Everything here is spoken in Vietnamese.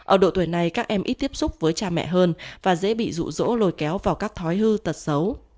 ở độ tuổi này các em ít tiếp xúc với cha mẹ hơn và dễ bị rụ rỗ lôi kéo vào các thói hư tật xấu